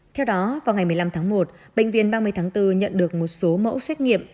theo đó vào ngày một mươi năm tháng một bệnh viện ba mươi tháng bốn nhận được một số mẫu xét nghiệm